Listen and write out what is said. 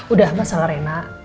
udah masalah rena